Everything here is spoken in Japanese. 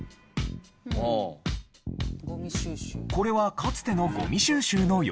これはかつてのゴミ収集の様子。